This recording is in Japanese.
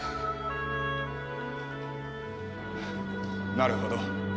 なるほど。